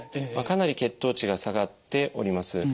かなり血糖値が下がっております。